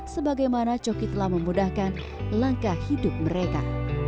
sebagaimana coki telah memudahkan langkah hidup mereka